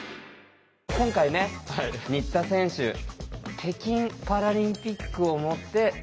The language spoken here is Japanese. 今回ね新田選手北京パラリンピックをもって。